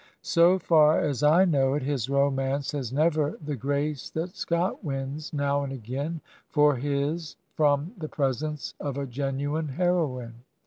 So f&r as I know it, his romance has never the grace that Scott wins now and again for his from the presence of a genuine heroine.